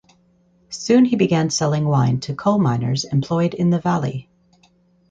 Soon he began selling wine to coal miners employed in the valley.